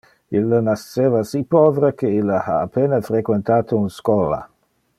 Ille nasceva si povre que ille ha a pena frequentate un schola.